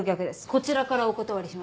こちらからお断りしました。